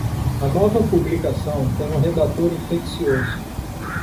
A nova publicação tem um redator infeccioso.